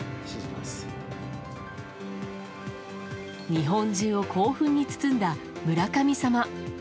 日本中を興奮に包んだ村神様。